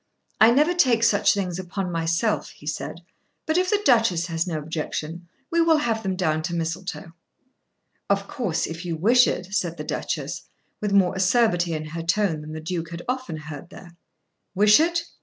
"I never take such things upon myself," he said, "but if the Duchess has no objection, we will have them down to Mistletoe." "Of course if you wish it," said the Duchess, with more acerbity in her tone than the Duke had often heard there. "Wish it?